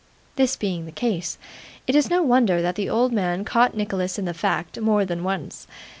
This being the case, it is no wonder that the old man caught Nicholas in the fact, more than once.